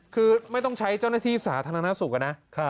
คือไม่ต้องใช้เจ้าหน้าที่สาธารณสุขอะนะ